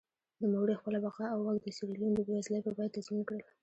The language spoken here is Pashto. نوموړي خپله بقا او واک د سیریلیون د بېوزلۍ په بیه تضمین کړل.